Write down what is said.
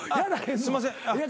すいません